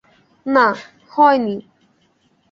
না, হয়নি।